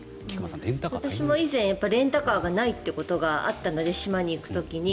私も以前レンタカーがないということがあったので島に行く時に。